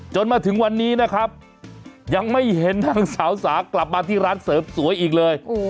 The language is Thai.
จนถึงวันนี้นะครับยังไม่เห็นนางสาวสากลับมาที่ร้านเสริมสวยอีกเลย